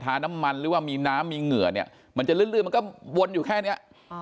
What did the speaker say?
น้ำมันหรือว่ามีน้ำมีเหงื่อเนี่ยมันจะลื่นมันก็วนอยู่แค่เนี้ยอ่า